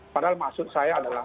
padahal maksud saya adalah